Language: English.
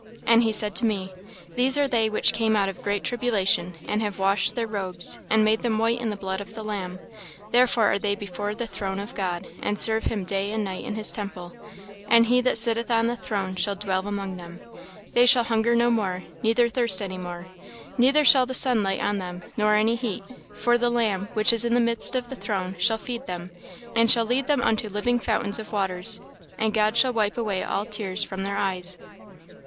And he said to me, These are they which came out of great tribulation, and have washed their robes, and made them white in the blood of the Lamb. Therefore are they before the throne of God, and serve him day and night in his temple: and he that sitteth on the throne shall dwell among them. They shall hunger no more, neither thirst any more; neither shall the sun light on them, nor any heat. For the Lamb, which is in the midst of the throne, shall feed them, and shall lead them unto living fountains of waters; and God shall wipe away all tears from their eyes."